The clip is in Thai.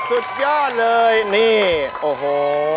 สุดยอดสุดยอดเลยนี่โห